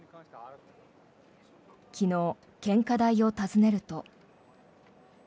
昨日、献花台を訪ねると。